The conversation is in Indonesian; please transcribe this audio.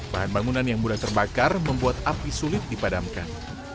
bahan bangunan yang mudah terbakar membuat api sulit dipadamkan